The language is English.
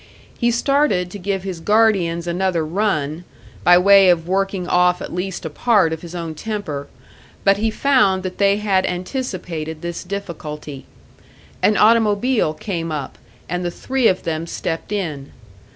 He started to give his guardians another run, by way of working off at least a part of his own temper; but he found that they had anticipated this difficulty. An automobile came up and the three of them stepped in.